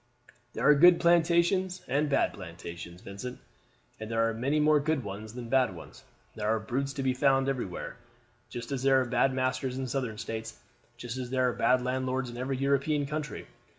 "There are good plantations and bad plantations, Vincent; and there are many more good ones than bad ones. There are brutes to be found everywhere. There are bad masters in the Southern States just as there are bad landlords in every European country.